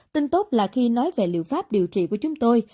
tin tốt là khi nói về liệu pháp điều trị của chúng tôi